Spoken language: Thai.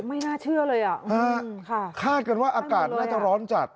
ไม่น่าเชื่อเลยอ่ะนะฮะค่ะคาดกันว่าอากาศน่าจะร้อนจัด